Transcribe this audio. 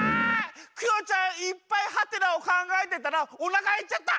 クヨちゃんいっぱいはてなをかんがえてたらおなかへっちゃった！